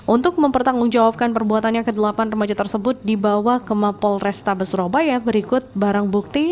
untuk mempertanggungjawabkan perbuatannya ke delapan remaja tersebut dibawa ke mapol restabes surabaya berikut barang bukti